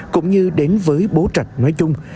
cũng như đến với bộ trạch nói chung